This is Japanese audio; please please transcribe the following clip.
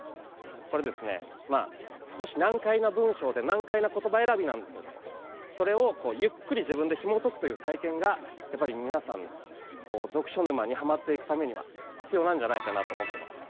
これですね少し難解な文章で難解な言葉選びなんですけれどそれをゆっくり自分でひもとくという体験が皆さん読書沼にハマっていくためには必要なんじゃないかなと思ってます。